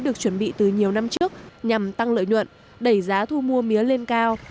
được chuẩn bị từ nhiều năm trước nhằm tăng lợi nhuận đẩy giá thu mua mía lên cao